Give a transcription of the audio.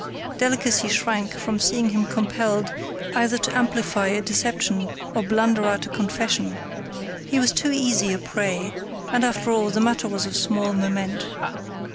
Delicacy shrank from seeing him compelled either to amplify a deception or blunder out a confession—he was too easy a prey; and, after all, the matter was of small moment.